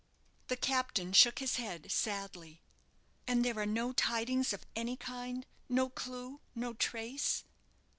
The captain shook his head sadly. "And there are no tidings of any kind? no clue, no trace?"